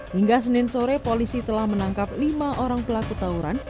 hingga senin sore polisi telah menangkap lima orang pelaku tauran